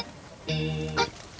keh gini ya